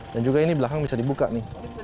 dan juga ini belakang bisa dibuka nih